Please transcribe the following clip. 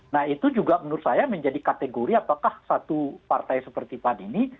nah itu juga menurut saya menjadi kategori apakah satu partai seperti pan ini